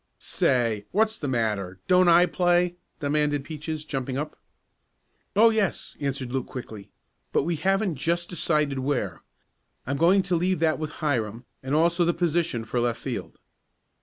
"Say, what's the matter, don't I play?" demanded Peaches, jumping up. "Oh, yes," answered Luke quickly. "But we haven't just decided where. I'm going to leave that with Hiram, and also the position for left field."